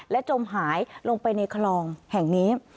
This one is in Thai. จมหายลงไปในคลองแห่งนี้